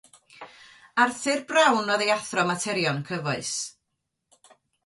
Arthur Brown oedd ei athro materion cyfoes.